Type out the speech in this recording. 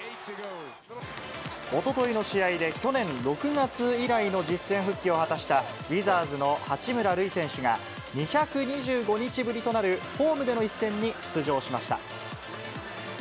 おとといの試合で、去年６月以来の実戦復帰を果たした、ウィザーズの八村塁選手が、２２５日ぶりとなるホームでの一戦に出場しました。